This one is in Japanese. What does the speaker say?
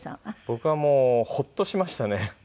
僕はもうホッとしましたね。